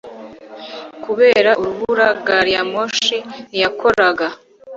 Kubera urubura, gari ya moshi ntiyakoraga.